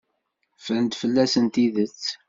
Ffrent fell-asen tidet.